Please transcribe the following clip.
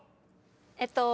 えっと。